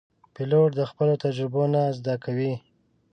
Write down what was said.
پیلوټ د خپلو تجربو نه زده کوي.